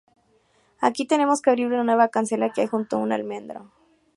Aquí tenemos que abrir una nueva cancela que hay junto un almendro.